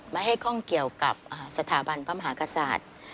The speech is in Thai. ไม่ให้ข้องเกี่ยวกับสถาบันพระมหากษัตริย์